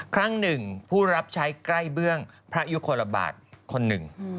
ครั้งหนึ่งผู้รับใช้ใกล้เบื้องพระยุคลบาทคนหนึ่ง